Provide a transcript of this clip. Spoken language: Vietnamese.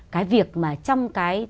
cái việc mà trong cái